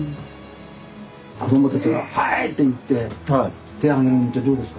子供たちが「はい！」って言って手挙げるの見てどうですか？